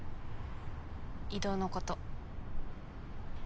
異動のこと。